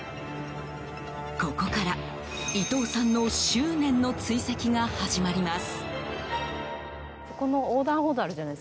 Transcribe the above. ここから、伊藤さんの執念の追跡が始まります。